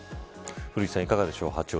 古市さん、いかがでしょうか。